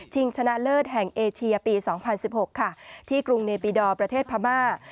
ชนะเลิศแห่งเอเชียปี๒๐๑๖ค่ะที่กรุงเนปิดอร์ประเทศพม่า